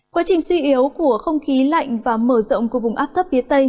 quá trình suy yếu của không khí lạnh và mở rộng của vùng áp thấp phía tây